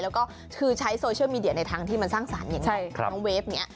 แล้วคือใช้โซเชิลมีเดยในทางที่มันสร้างสรรค์อย่างนี้